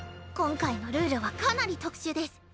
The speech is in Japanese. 今回のルールはかなり特殊デス。